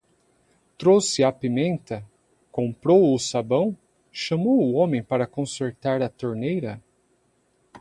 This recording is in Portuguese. Trouxe a pimenta? Comprou o sabão? Chamou o homem para consertar a torneira?